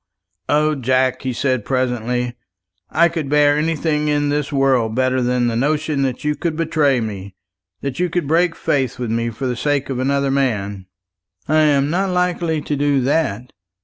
"O Jack," he said presently, "I could bear anything in this world better than the notion that you could betray me that you could break faith with me for the sake of another man." "I am not likely to do that.